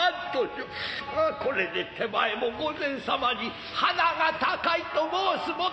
イヤ是で手前も御前様に鼻が高いと申す者。